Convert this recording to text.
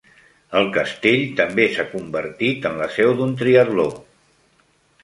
El castell també s'ha convertir en la seu d'un triatló.